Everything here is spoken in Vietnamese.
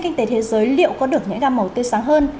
kinh tế thế giới liệu có được những ga màu tươi sáng hơn